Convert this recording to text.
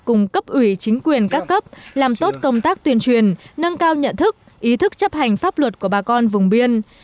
cùng cấp ủy chính quyền các cấp làm tốt công tác tuyên truyền nâng cao nhận thức ý thức chấp hành pháp luật của bà con vùng biên